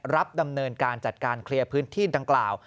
ดำเนินการจัดการเคลียร์พื้นที่ดังกล่าว